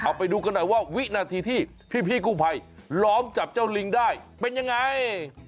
เอาไปดูกันหน่อยว่าวินาทีที่พี่กู้ภัยล้อมจับเจ้าลิงได้เป็นยังไง